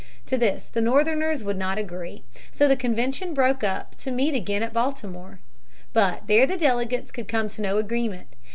To this the Northerners would not agree. So the convention broke up to meet again at Baltimore. But there the delegates could come to no agreement.